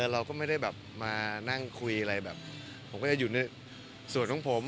เราก็ไม่ได้แบบมานั่งคุยอะไรแบบผมก็จะอยู่ในส่วนของผม